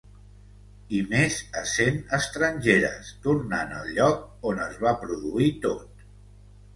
I més essent estrangeres, tornant al lloc on es va produir tot.